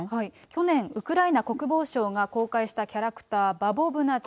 去年、ウクライナ国防省が公開したキャラクター、バボブナち